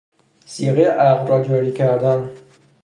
صیغه عقد را جاری کردن